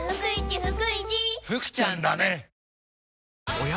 おや？